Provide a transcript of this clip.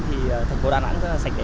thì thành phố đà nẵng rất là sạch sẽ